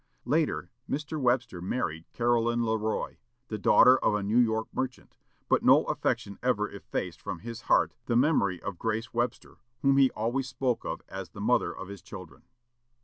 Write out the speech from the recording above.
Later, Mr. Webster married Caroline Le Roy, the daughter of a New York merchant, but no affection ever effaced from his heart the memory of Grace Webster, whom he always spoke of as "the mother of his children."